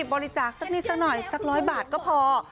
บริจาคสักนิดสักหน่อยสัก๑๐๐บาทก็พอ